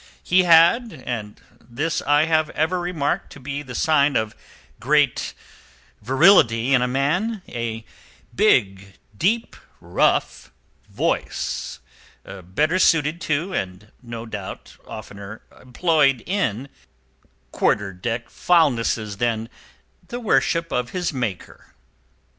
He had—and this I have ever remarked to be the sign of great virility in a man—a big, deep, rough voice, better suited to, and no doubt oftener employed in, quarter deck oaths and foulnesses than the worship of his Maker."